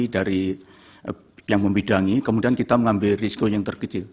dari yang membidangi kemudian kita mengambil risiko yang terkecil